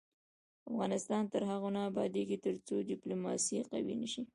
افغانستان تر هغو نه ابادیږي، ترڅو ډیپلوماسي قوي نشي.